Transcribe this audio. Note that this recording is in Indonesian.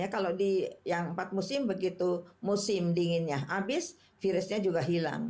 kalau yang empat musim begitu musim dinginnya habis virusnya juga hilang